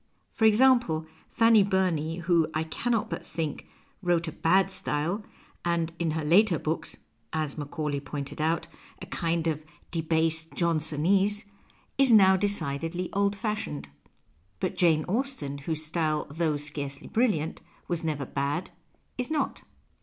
For example, Fanny Burney, who, I cannot but think, wrote a bad style, and in her later books (as Macaulay pointed out) a kind of debased 4 PASTICHE Johnsonese, is now decidedly old fashioned. But Jane Austen, whose style, though scarcely brilliant, was never bad, is not.